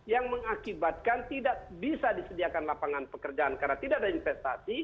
yang mengakibatkan tidak bisa disediakan lapangan pekerjaan karena tidak ada investasi